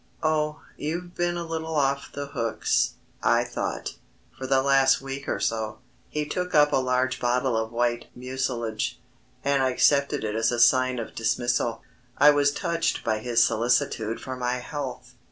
"Oh, you've been a little off the hooks, I thought, for the last week or so." He took up a large bottle of white mucilage, and I accepted it as a sign of dismissal. I was touched by his solicitude for my health.